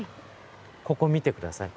ここを見てください。